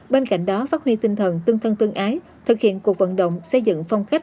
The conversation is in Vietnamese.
bên cạnh đó phát huy tinh thần tương thân tương ái thực hiện cuộc vận động xây dựng phong cách